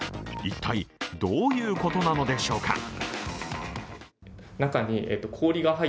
一体どういうことなのでしょうか？